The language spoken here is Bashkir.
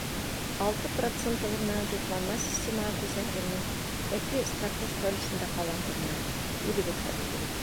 Алты процентығыҙ менән тупланма системаға күсәһегеҙме йәки страховка өлөшөндә ҡалаһығыҙмы — үҙегеҙ хәл итәһегеҙ.